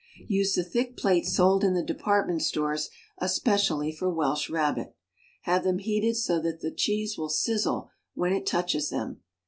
Use the thick plates sold in the department stores espe cially for Welsh Rabbit. Have them heated so that the cheese will sizzle when it touches them.